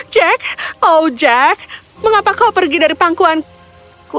jack oh jack mengapa kau pergi dari pangkuanku